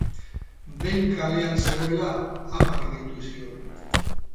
Behin kalean zegoela, amak deitu zion.